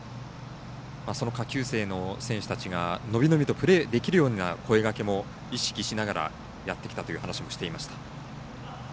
その下級生の選手たちが伸び伸びとプレーできるような声がけも意識しながらやってきたという話もしていました。